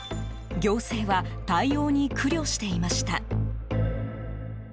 行政は対応に苦慮していました。